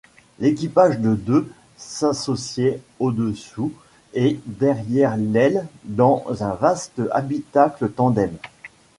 L'équipage de deux s'assoyaient au-dessous et derrière l'aile dans un vaste habitacle tandem.